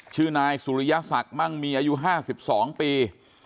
ชื่อนายสุริยศักดิ์มั่งมีอายุ๕๒ปี